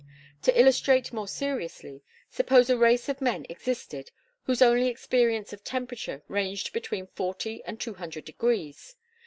To illustrate more seriously, suppose a race of men existed whose only experience of temperature ranged between forty and two hundred degrees.